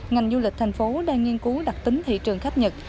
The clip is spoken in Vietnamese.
ngành du lịch thành phố đang nghiên cứu đặc tính thị trường khách nhật